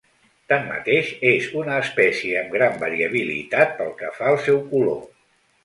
Tanmateix és una espècie amb gran variabilitat pel que fa al seu color.